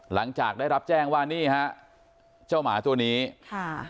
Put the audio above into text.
หลังจากได้รับแจ้งว่านี่ฮะเจ้าหมาตัวนี้ค่ะ